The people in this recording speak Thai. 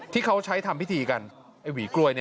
ที่เขาใช้ทำพิธีกันไอ้หวีกล้วย